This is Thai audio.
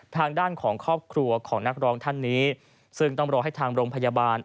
ทางด้านของครอบครัวของนักร้องท่านนี้ซึ่งต้องรอให้ทางโรงพยาบาล